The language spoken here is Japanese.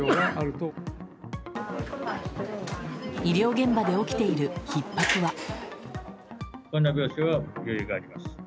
医療現場で起きているひっ迫は。